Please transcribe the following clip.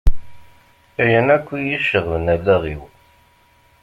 Ayen akk iyi-iceɣben allaɣ-iw.